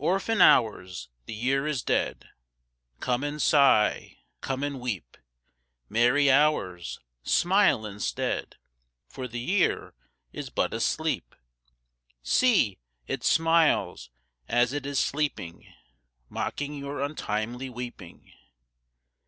Orphan Hours, the Year is dead, Come and sigh, come and weep! Merry Hours, smile instead, For the Year is but asleep. See, it smiles as it is sleeping, _5 Mocking your untimely weeping.